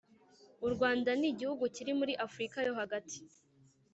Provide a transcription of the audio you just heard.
u rwanda ni igihugu kiri muri afurika yo hagati.